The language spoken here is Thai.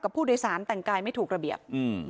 ผู้โดยสารแต่งกายไม่ถูกระเบียบ